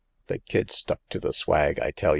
'* The kid stuck to the swag, I tell y'.